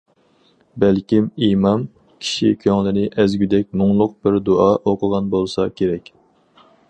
بەلكىم ئىمام كىشى كۆڭلىنى ئەزگۈدەك مۇڭلۇق بىر دۇئا ئوقۇغان بولسا كېرەك.